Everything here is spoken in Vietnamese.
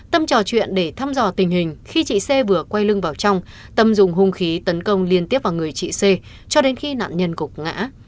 tâm trò chuyện để thăm dò tình hình khi chị xe vừa quay lưng vào trong tâm dùng hung khí tấn công liên tiếp vào người chị c cho đến khi nạn nhân cục ngã